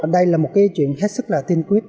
đây là một cái chuyện hết sức là tiên quyết